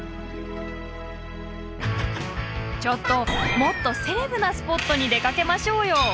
もっとセレブなスポットに出かけましょうよ。